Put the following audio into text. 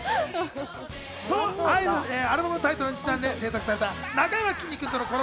そのアルバムタイトルにちなんで制作されたなかやまきんに君とのコラボ